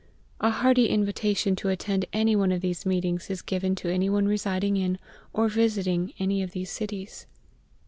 A hearty invitation to attend any one of these meetings is given to any one residing in or visiting any of these cities.